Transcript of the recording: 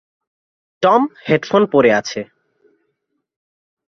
Tom headphone পড়ে আছে।